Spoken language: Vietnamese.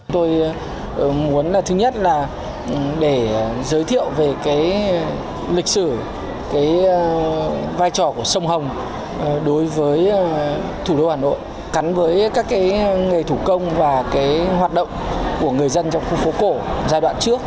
tôi muốn là thứ nhất là để giới thiệu về lịch sử cái vai trò của sông hồng đối với thủ đô hà nội cắn với các nghề thủ công và hoạt động của người dân trong khu phố cổ giai đoạn trước